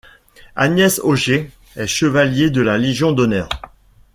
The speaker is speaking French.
Agnès Ogier est chevalier de la légion d’honneur.